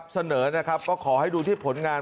เสนอนะครับก็ขอให้ดูที่ผลงาน